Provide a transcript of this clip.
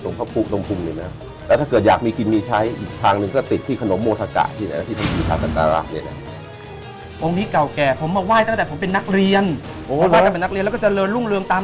ตรงครับพุทธตรงภุมนินนะครับ